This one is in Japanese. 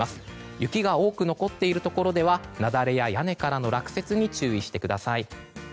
雪が多く残っているところでは雪崩や屋根からの落雪に注意してください。